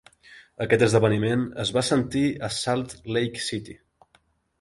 Aquest esdeveniment es va sentir a Salt Lake City.